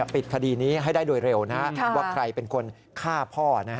ปิดคดีนี้ให้ได้โดยเร็วว่าใครเป็นคนฆ่าพ่อ